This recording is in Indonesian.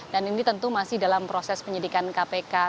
dan ini tentu masih dalam proses penyidikan kpk